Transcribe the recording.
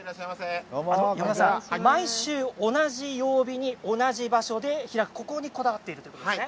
山田さん、毎週同じ曜日に同じ場所で開くここにこだわっているということですね。